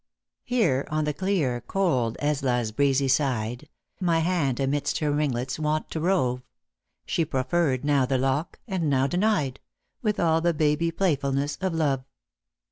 Here on the clear, cold Ezla s breezy side, My hand amidst her ringlets wont to rove ; She proffered now the lock, and now denied With all the baby playfulness of love.